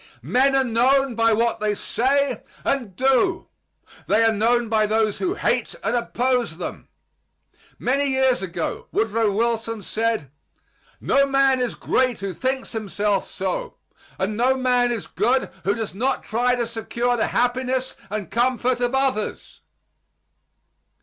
Men are known by what they say and do. They are known by those who hate and oppose them. Many years ago Woodrow Wilson said, "No man is great who thinks himself so, and no man is good who does not try to secure the happiness and comfort of others."